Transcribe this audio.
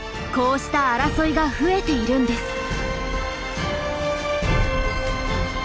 こうした争いが増えているんです。